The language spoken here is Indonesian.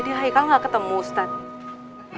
jadi haikal nggak ketemu ustadz